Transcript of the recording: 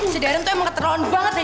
si darren tuh emang keterauan banget deh